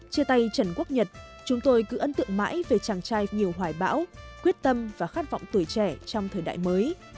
chia tay trần quốc nhật chúng tôi cứ ấn tượng mãi về chàng trai nhiều hoài bão quyết tâm và khát vọng tuổi trẻ trong thời đại mới